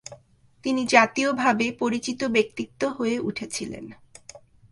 তিনি জাতীয়ভাবে পরিচিত ব্যক্তিত্ব হয়ে উঠেছিলেন।